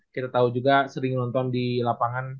kita tahu juga sering nonton di lapangan